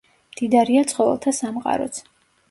მდიდარია ცხოველთა სამყაროც.